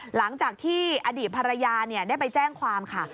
หลังจากที่อดีตภรรยาได้ไปแจ้งความค่ะ